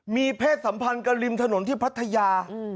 มีเพศสัมพันธ์กันริมถนนที่พัทยา